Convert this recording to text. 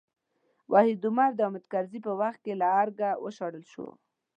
وحید عمر د حامد کرزي په وخت کې له ارګه وشړل شو.